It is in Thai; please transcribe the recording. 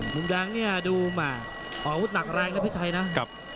มุมแรงดูมาออรุณหนักแรงนะพี่ชัยนะ